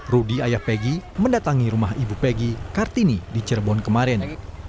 rudy ayah pegi mendatangi rumah ibu pegi kartini di cirebon kemarin